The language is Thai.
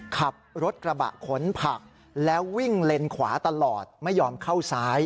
ขับรถกระบะขนผักแล้ววิ่งเลนขวาตลอดไม่ยอมเข้าซ้าย